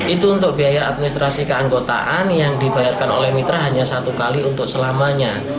itu untuk biaya administrasi keanggotaan yang dibayarkan oleh mitra hanya satu kali untuk selamanya